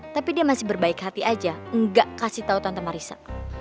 tapi dia masih berbaik hati aja enggak kasih tau tante marisa